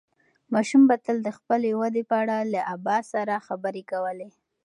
ماشوم به تل د خپلې ودې په اړه له ابا سره خبرې کولې.